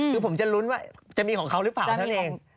คือผมจะลุ้นว่าจะมีของเขาหรือเปล่าเท่านั้นเอง